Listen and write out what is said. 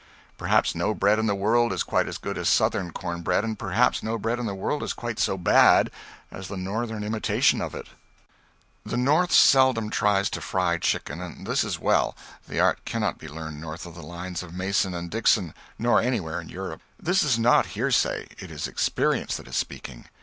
Perhaps no bread in the world is quite as good as Southern corn bread, and perhaps no bread in the world is quite so bad as the Northern imitation of it. The North seldom tries to fry chicken, and this is well; the art cannot be learned north of the line of Mason and Dixon, nor anywhere in Europe. This is not hearsay; it is experience that is speaking.